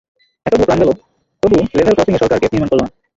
এতগুলো প্রাণ গেল, তবু লেভেল ক্রসিংয়ে সরকার গেট নির্মাণ করল না।